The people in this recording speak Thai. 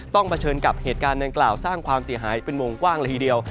เผชิญกับเหตุการณ์ดังกล่าวสร้างความเสียหายเป็นวงกว้างละทีเดียว